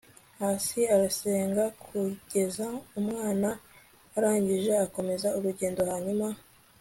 hasi arasenga kugeza umwana arangije, akomeza urugendo. hanyuma